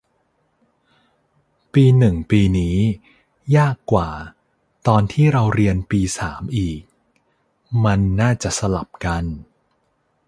ปีหนึ่งปีนี้ ยากกว่า ตอนที่เราเรียนปีสามอีก มันน่าจะสลับกัน